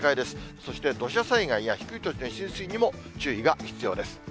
そして土砂災害や低い土地の浸水にも注意が必要です。